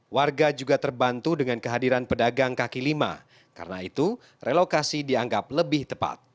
warga juga terbantu dengan kehadiran pedagang kaki lima karena itu relokasi dianggap lebih tepat